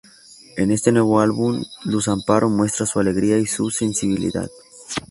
En este nuevo álbum Luz amparo muestra su alegría y su sensibilidad.